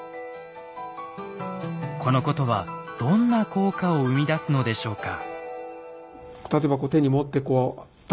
このことはどんな効果を生み出すのでしょうか？